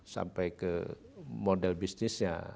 sampai ke model bisnisnya